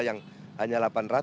yang hanya delapan ratus